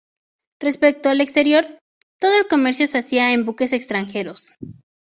Respecto al exterior, "todo el comercio se hacía en buques extranjeros.